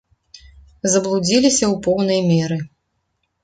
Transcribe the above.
Заблудзіліся ў поўнай меры.